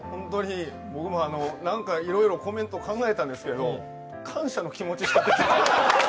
僕もなんかいろいろコメントを考えたんですけど感謝の気持ちしか出てこない。